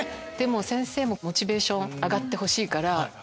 ⁉先生にもモチベーション上がってほしいから。